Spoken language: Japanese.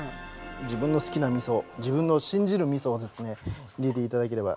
自分の好きなみそ自分の信じるみそをですね入れて頂ければ。